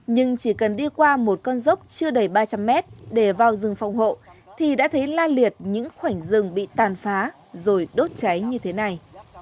nhưng chỉ cần đi qua một con dốc chưa đầy ba trăm linh mét để vào rừng phòng hộ thì đã thấy la liệt những khoảnh rừng bị tàn phá rồi đốt cháy như thế này